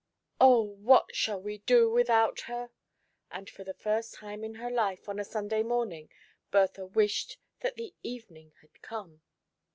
Oh, what shall we do without her !" and, for the first time in her life on a Sunday morning Bertha wished that the evening had come.